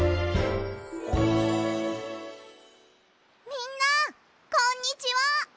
みんなこんにちは！